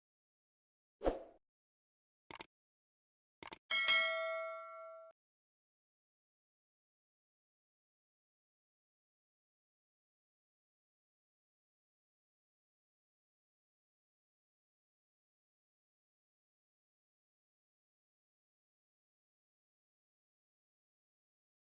akan kubah dirimu ya allah